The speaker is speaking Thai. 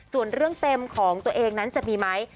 ส่วนเรื่องเต็มของตัวเองนั้นจะมีไหม